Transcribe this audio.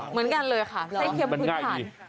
เหมือนกันเลยค่ะไส้เค็มพื้นฐาน